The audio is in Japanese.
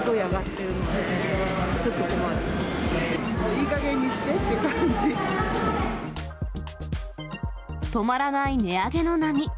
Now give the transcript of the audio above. いいかげんにしてっていう感止まらない値上げの波。